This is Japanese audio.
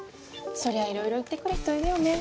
そりゃいろいろ言ってくる人いるよね。